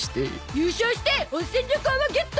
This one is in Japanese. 優勝して温泉旅行をゲット！